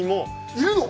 いるの？